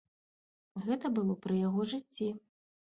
Гэта было пры яго жыцці.